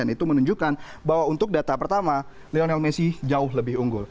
itu menunjukkan bahwa untuk data pertama lionel messi jauh lebih unggul